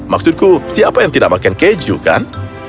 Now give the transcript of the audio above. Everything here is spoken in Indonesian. maksudku siapa yang tidak makan keju kan